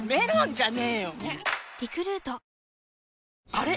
あれ？